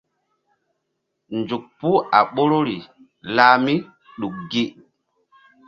Nzuk puh a ɓoruri lah míɗuk gi.